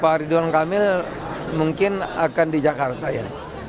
pak ridwan kamil mungkin akan di jakarta ya